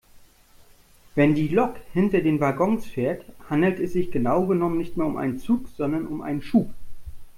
Wenn die Lok hinter den Waggons fährt, handelt es sich genau genommen nicht mehr um einen Zug sondern um einen Schub.